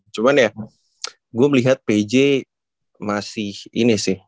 cuman ya gue melihat pj masih ini sih